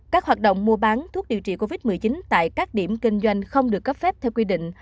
các hoạt động mua bán thuốc điều trị covid một mươi chín tại các điểm kinh doanh không được cấp phép theo quy định